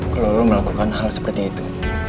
kalau lo melakukan hal seperti itu